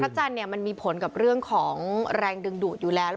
จันทร์มันมีผลกับเรื่องของแรงดึงดูดอยู่แล้ว